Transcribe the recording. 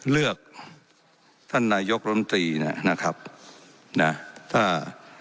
เลือกท่านนายกรมตรีนะครับนะถ้า